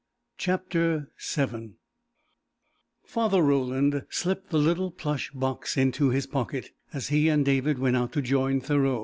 _" CHAPTER VII Father Roland slipped the little plush box into his pocket as he and David went out to join Thoreau.